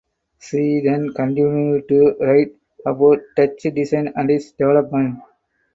She then continued to write about Dutch design and its development.